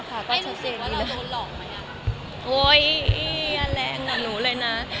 คุณกลับสินะ